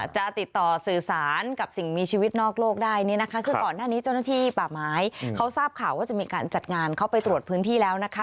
จะติดต่อสื่อสารกับสิ่งมีชีวิตนอกโลกได้นี่นะคะคือก่อนหน้านี้เจ้าหน้าที่ป่าไม้เขาทราบข่าวว่าจะมีการจัดงานเขาไปตรวจพื้นที่แล้วนะคะ